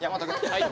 はい。